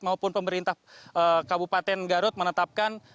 maupun pemerintah kabupaten garut menetapkan